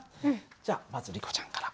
じゃまずリコちゃんから。